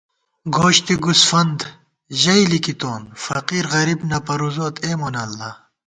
گوشت گوسفند ژئی لِکِتون ، فقیرغریب نہ پرُوزوت اے مونہ اللہ